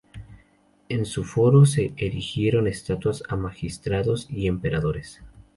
En su foro se erigieron estatuas a magistrados y emperadores.